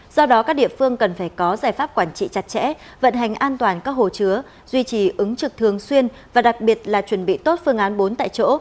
do đó các địa phương cần phải có giải pháp quản trị chặt chẽ vận hành an toàn các hồ chứa duy trì ứng trực thường xuyên và đặc biệt là chuẩn bị tốt phương án bốn tại chỗ